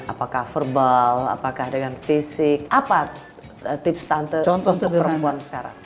apakah verbal apakah dengan fisik apa tips standar untuk perempuan sekarang